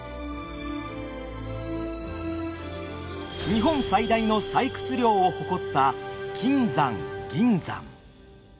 日本最大の採掘量を誇った金山銀山。